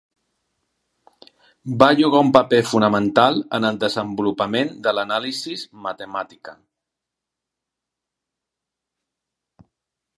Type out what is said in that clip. Va jugar un paper fonamental en el desenvolupament de l'anàlisi matemàtica.